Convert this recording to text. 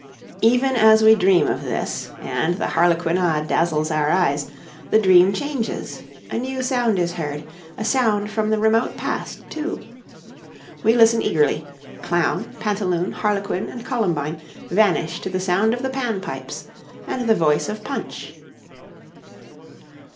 Even as we dream of this, and the harlequinade dazzles our eyes, the dream changes a new sound is heard, a sound from the remote past, too. We listen eagerly, clown, pantaloon, harlequin, and columbine vanish to the sound of the pan pipes and the voice of Punch.